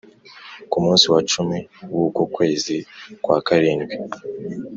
Ku munsi wa cumi w uko kwezi kwa karindwi